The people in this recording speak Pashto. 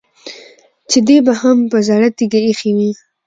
چې دې به هم په زړه تيږه اېښې وي.